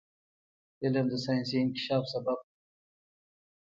علم د ساینسي انکشاف سبب دی.